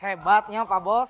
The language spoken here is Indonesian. hebatnya pak bos